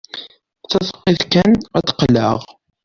Tadqiqt kan ad d-qqleɣ.